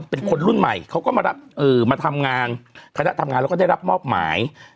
เป็นคนรุ่นใหม่เขาก็มารับมาทำงานคณะทำงานแล้วก็ได้รับมอบหมาย